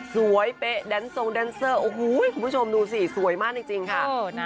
เป๊ะแดนทรงแดนเซอร์โอ้โหคุณผู้ชมดูสิสวยมากจริงค่ะ